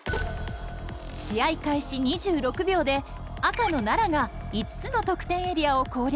試合開始２６秒で赤の奈良が５つの得点エリアを攻略。